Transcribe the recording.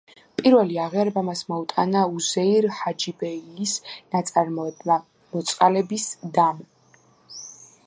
პირველი აღიარება მას მოუტანა უზეირ ჰაჯიბეილის ნაწარმოებმა „მოწყალების დამ“.